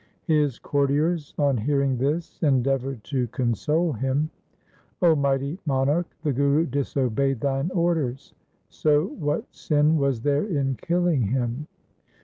His courtiers on hearing this endeavoured to console him :' 0 mighty monarch, the Guru disobeyed thine orders, so what sin was there in killing him